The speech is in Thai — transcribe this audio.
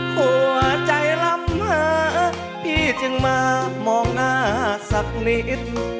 หัวใจล้ำมาพี่จึงมามองหน้าสักนิด